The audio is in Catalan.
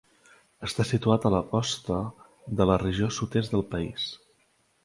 Està situat a la costa de la regió sud-est del país.